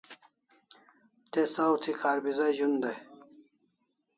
Te saw thi kharbiza zh'un day